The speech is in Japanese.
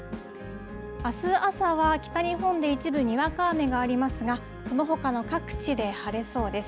あす朝は北日本で一部にわか雨がありますがそのほかの各地で晴れそうです。